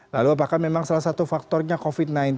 lalu apakah memang salah satu faktornya covid sembilan belas